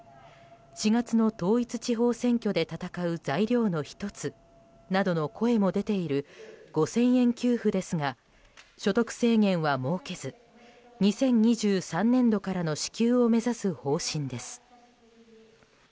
４月の統一地方選挙で戦う材料の１つなどの声も出ている５０００円給付ですが所得制限は設けず２０２３年度からの支給を目指す方針です。